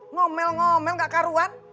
ngomel ngomel gak karuan